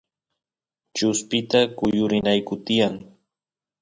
chuspista kuyurinayku tiyan